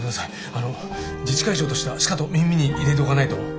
あの自治会長としてはしかと耳に入れておかないと。